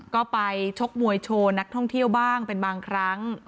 ก็ไปชกมวยโชว์นักท่องเที่ยวบ้างเป็นบางครั้ง